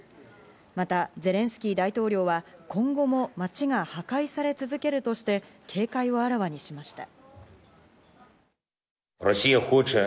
またゼレンスキー大統領は、今後も街が破壊され続けるとして、警戒をあらわにしました。